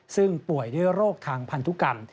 ซึ่งป่วยด้วยโรคทางพันธุกรรม